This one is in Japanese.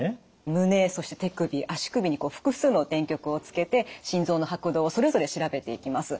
胸そして手首足首に複数の電極をつけて心臓の拍動をそれぞれ調べていきます。